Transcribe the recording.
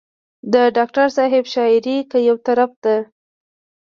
د ډاکټر صېب شاعري کۀ يو طرف ته